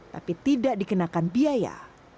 tapi tidak dikenakan biaya